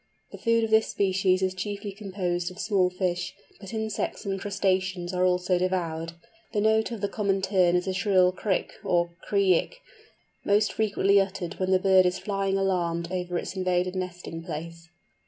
The food of this species is chiefly composed of small fish, but insects and crustaceans are also devoured. The note of the Common Tern is a shrill krick or kree ick, most frequently uttered when the bird is flying alarmed over its invaded nesting place.